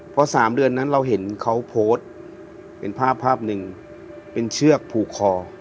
เพราะสามเดือนนั้นเราเห็นเค้าโพสต์เป็นภาพหนึ่งเป็นเชือกผูกคอ